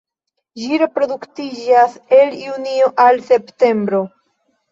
Ĝi reproduktiĝas el junio al septembro.